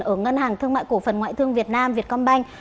ở ngân hàng thương mại cổ phần ngoại thương việt nam việt công banh